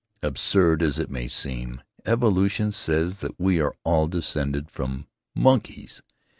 Absurd as it may seem, evolution says that we are all descended from monkeys!